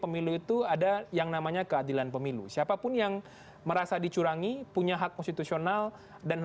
pemilu itu ada yang namanya keadilan pemilu siapapun yang merasa dicurangi punya hak konstitusional dan